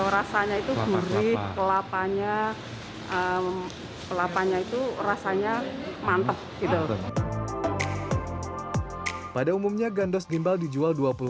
rasanya itu murid kelapanya kelapanya itu rasanya mantap gitu pada umumnya gandos jimbal dijual